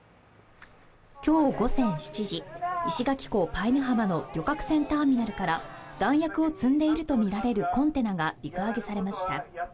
今日午前７時、石垣港南ぬ浜の旅客船ターミナルから弾薬を積んでいるとみられるコンテナが陸揚げされました。